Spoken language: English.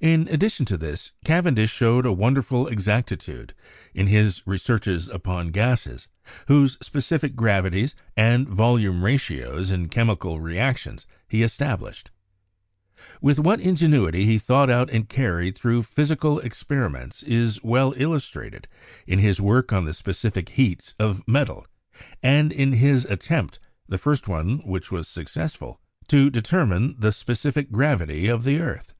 In addition to this Cavendish showed a wonderful ex actitude in his researches upon gases, whose specific grav ities and volume ratios in chemical reactions he estab lished. With what ingenuity he thought out and carried through physical experiments is well illustrated in his work on the specific heats of metals, and in his attempt — the first one which was successful — to determine the spe cific gravity of the earth.